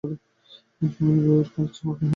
এ-সময়ে বিভার কাছে কেহ নাই।